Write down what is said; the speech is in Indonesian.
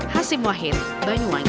hasim wahid banyuwangi